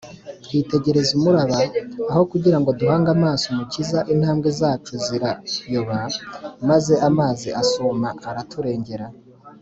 twitegereza umuraba, aho kugira ngo duhange amaso umukiza intambwe zacu zirayoba, maze amazi asuma akaturengera